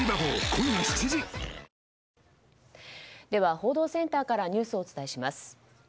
報道センタ−からニュースをお伝えします。